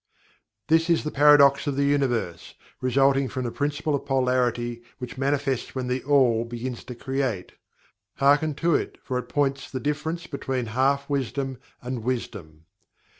This is the Paradox of the Universe, resulting from the Principle of Polarity which manifests when THE ALL begins to Create hearken to it for it points the difference between half wisdom and wisdom.